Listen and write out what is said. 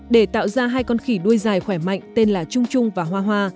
để tạo ra hai con khỉ đuôi dài khỏe mạnh tên là trung trung và hoa hoa